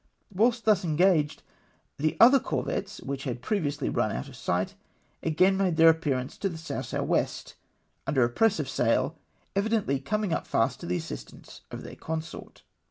Whilst thus engaged, the other corvettes, which had previously run out of sight, again made then" appearance to the S. S. W. under a press of sail, evidently coming up fast to the assistance of theu' consort.